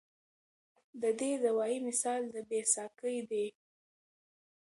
د دې دوائي مثال د بې ساکۍ دے